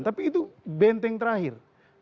tapi itu benteng terakhir